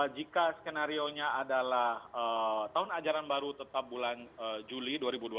jika skenario nya adalah tahun ajaran baru tetap bulan juli dua ribu dua puluh